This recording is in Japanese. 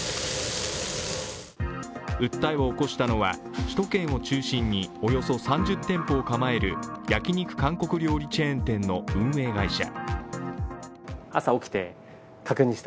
訴えを起こしたのは、首都圏を中心におよそ３０店舗を構える焼き肉韓国料理チェーン店の運営会社。